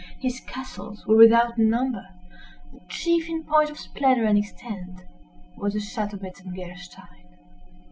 His castles were without number. The chief in point of splendor and extent was the "Château Metzengerstein."